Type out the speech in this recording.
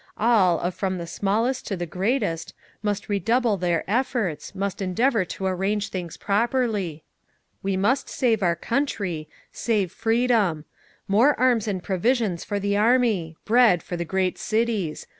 All, of from the smallest to the greatest, must redouble their efforts, must endeavour to arrange things properly…. We must save our country, save freedom…. More arms and provisions for the Army! Bread—for the great cities.